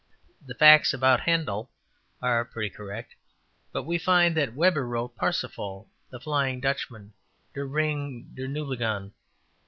``The facts about Handel are pretty correct; but we find that Weber wrote Parsifal, The Flying Dutchman, Der Ring der Nibulengon.